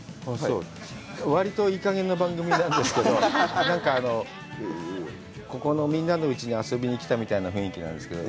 割といいかげんな番組なんですけど、ここのみんなのうちに遊びに来たみたいな雰囲気なんですけど。